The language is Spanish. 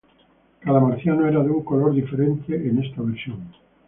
Cada marciano era de un color diferente en esta versión.